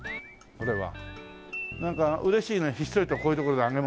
これは。